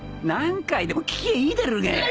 何回でも聞きゃいいだろうが！